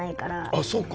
あっそうか。